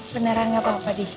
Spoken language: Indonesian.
beneran enggak apa apa dik